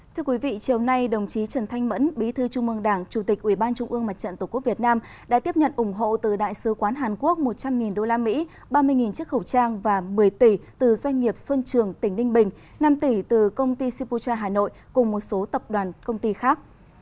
thưa quý vị chiều nay đồng chí trần thanh mẫn bí thư trung mương đảng chủ tịch ủy ban trung ương mặt trận tổ quốc việt nam đã tiếp nhận ủng hộ từ đại sứ quán hàn quốc một trăm linh usd ba mươi chiếc khẩu trang và một mươi tỷ từ doanh nghiệp xuân trường tỉnh ninh bình năm tỷ từ công ty sipucha hà nội cùng một số tập đoàn công ty khác